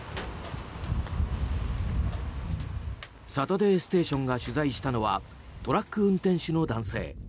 「サタデーステーション」が取材したのはトラック運転手の男性。